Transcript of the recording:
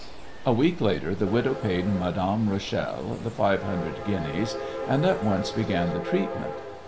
A week later the widow paid Madame Rachel the five hundred guineas, and at once began the treatment.